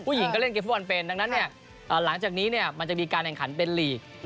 หญิงก็เล่นเกมฟุตบอลเป็นดังนั้นเนี่ยหลังจากนี้มันจะมีการแข่งขันเป็นลีก